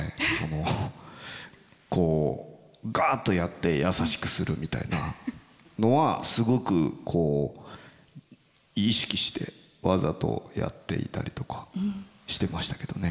こうガッとやって優しくするみたいなのはすごくこう意識してわざとやっていたりとかしてましたけどね。